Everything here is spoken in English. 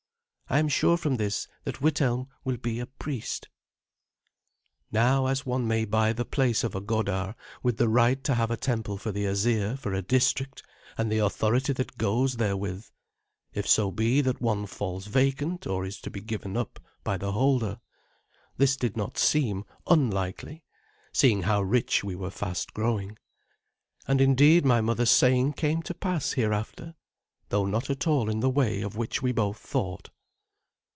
I am sure from this that Withelm will be a priest." Now as one may buy the place of a godar, with the right to have a temple of the Asir for a district and the authority that goes therewith, if so be that one falls vacant or is to be given up by the holder, this did not seem unlikely, seeing how rich we were fast growing. And indeed my mother's saying came to pass hereafter, though not at all in the way of which we both thought.